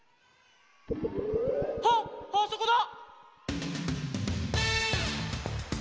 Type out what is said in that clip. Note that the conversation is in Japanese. ・あっあそこだ！